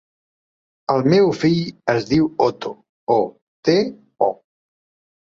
El meu fill es diu Oto: o, te, o.